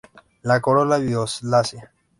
La corola violácea.